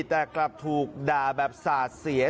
แต่กลับถูกด่าแบบสาดเสีย